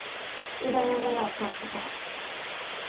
いろんなものを買ったから。